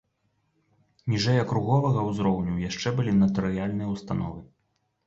Ніжэй акруговага ўзроўню яшчэ былі натарыяльныя ўстановы.